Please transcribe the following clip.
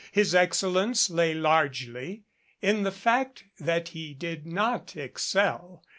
His excellence lay largely in the fact that he did not excel.